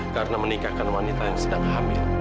karena menikahkan wanita yang sedang hamil